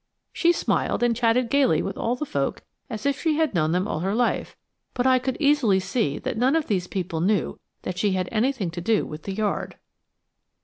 She smiled and chatted gaily with all the folk as if she had known them all her life, but I could easily see that none of these people knew that she had anything to do with the Yard.